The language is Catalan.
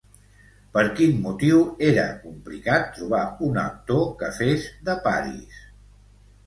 Per quin motiu era complicat trobar un actor que fes de Paris?